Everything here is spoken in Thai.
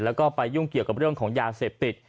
แล้วก็ไปยุ่งเกี่ยวกับเรื่องของยาเสพติด